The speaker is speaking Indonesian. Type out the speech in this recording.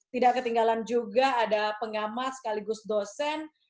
tidak ketinggalan juga ada pengamat sekaligus dosen